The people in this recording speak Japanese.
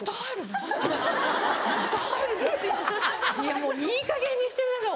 もういいかげんにしてください！